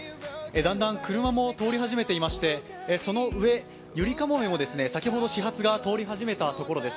だんだん車も通り始めていましてその上、ゆりかもめも先ほど始発が通り始めたところです。